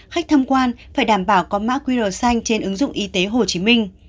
khách tham quan phải đảm bảo có mã quy đồ xanh trên ứng dụng y tế hồ chí minh